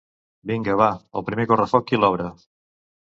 Vinga, va, el primer correfoc qui l’obre?